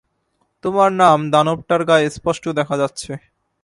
তোমার নাম দানবটার গায়ে স্পষ্ট দেখা যাচ্ছে।